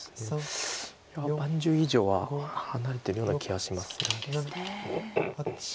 いや盤１０以上は離れてるような気がします。